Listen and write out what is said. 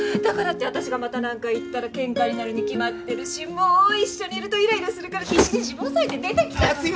だからって私がまたなんか言ったら喧嘩になるに決まってるしもう一緒にいるとイライラするから必死に自分抑えて出てきたの！